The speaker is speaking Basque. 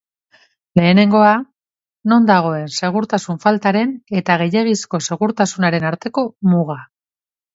Lehenengoa, non dagoen segurtasun faltaren eta gehiegizko segurtasunaren arteko muga.